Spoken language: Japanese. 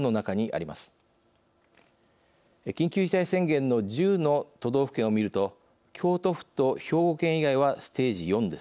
緊急事態宣言の１０の都道府県を見ると京都府と兵庫県以外はステージ４です。